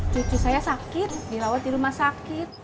cucu saya sakit dirawat di rumah sakit